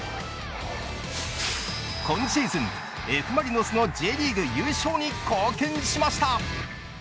今シーズン、Ｆ・マリノスのＪリーグ優勝に貢献しました。